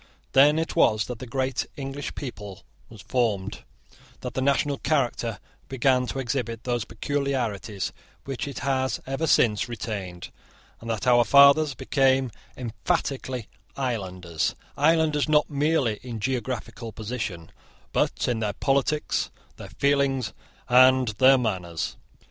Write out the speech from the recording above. Then it was that the great English people was formed, that the national character began to exhibit those peculiarities which it has ever since retained, and that our fathers became emphatically islanders, islanders not merely in geographical position, but in their politics, their feelings, and their manners.